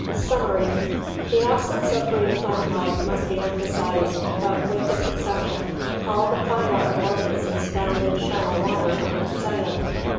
Summary. — The absence of green plant life must be emphasized, but, with this exception, all the phyla of organisms found in shallow water are represented.